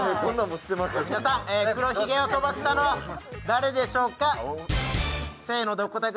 黒ひげを飛ばしたのは誰でしょうか？